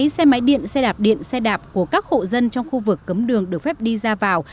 xe máy điện xe đạp điện xe đạp của các hộ dân trong khu vực cấm đường được phép đi ra vào